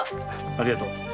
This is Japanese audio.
ありがとう。